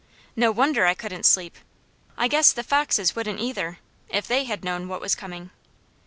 No wonder I couldn't sleep! I guess the foxes wouldn't either, if they had known what was coming.